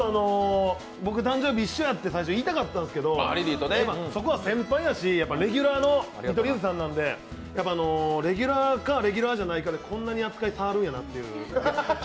僕、誕生日一緒やって言いたかったんですけど、そこは先輩やし、レギュラーの見取り図さんなんでレギュラーかレギュラーじゃないかでこんなに扱い変わるんやなっていう。